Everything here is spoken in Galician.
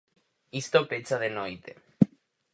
Isto pecha de noite.